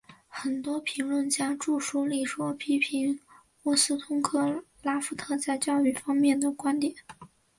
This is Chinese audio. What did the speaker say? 很多评论家着书立说批评沃斯通克拉夫特在教育方面的观点。